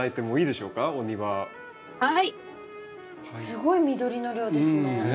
すごい緑の量ですね。